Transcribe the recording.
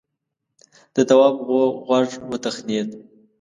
د تواب غوږ وتخڼيد: